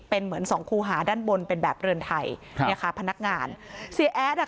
เป็นเหมือนสองคู่หาด้านบนเป็นแบบเรือนไทยครับเนี่ยค่ะพนักงานเสียแอดอ่ะ